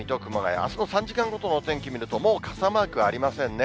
あすの３時間ごとのお天気見ると、もう傘マークありませんね。